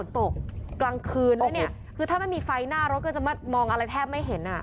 ถ้ามันไม่มีไฟหน้าเราก็จะมองอะไรแทบไม่เห็น